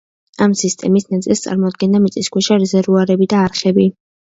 ამ სისტემის ნაწილს წარმოადგენდა მიწისქვეშა რეზერვუარები და არხები.